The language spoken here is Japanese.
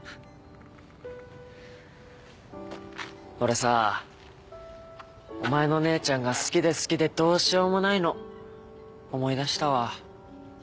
俺さお前の姉ちゃんが好きで好きでどうしようもないの思い出したわ。